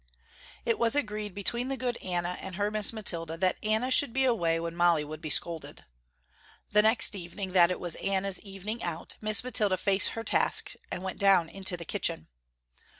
It was agreed between the good Anna and her Miss Mathilda that Anna should be away when Molly would be scolded. The next evening that it was Anna's evening out, Miss Mathilda faced her task and went down into the kitchen.